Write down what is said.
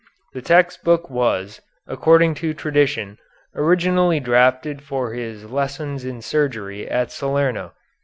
This text book was, according to tradition, originally drafted for his lessons in surgery at Salerno.